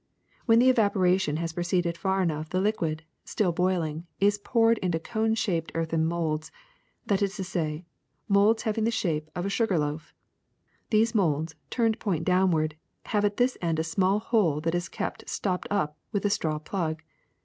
When the evaporation has proceeded far enough the liquid, still boiling, is poured into cone shaped earthen molds ; that is to say, molds having the shape of a sugar loaf. These molds, turned point down ward, have at this end a small hole that is kept stopped up with a straw plug.